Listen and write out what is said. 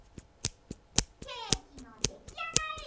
ケーキのできあがり。